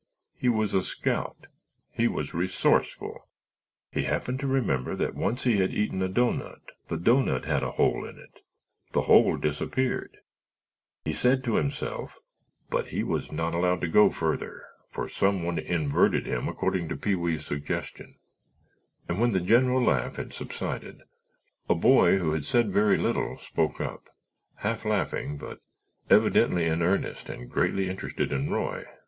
He was a scout—he was resourceful. He happened to remember that once he had eaten a doughnut. The doughnut had a hole in it. The hole disappeared. He said to himself——" But he was not allowed to go further, for somebody inverted him according to Pee wee's suggestion, and when the general laugh had subsided a boy who had said very little spoke up, half laughing but evidently in earnest and greatly interested in Roy.